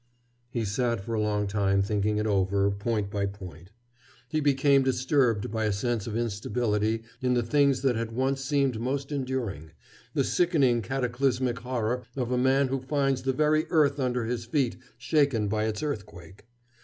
He sat for a long time thinking it over, point by point. He became disturbed by a sense of instability in the things that had once seemed most enduring, the sickening cataclysmic horror of a man who finds the very earth under his feet shaken by its earthquake.